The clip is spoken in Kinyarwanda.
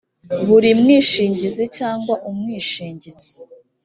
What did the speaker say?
buri mwishingizi cyangwa umwishingizi